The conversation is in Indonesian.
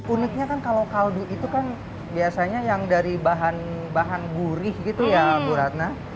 uniknya kan kalau kaldu itu kan biasanya yang dari bahan bahan gurih gitu ya bu ratna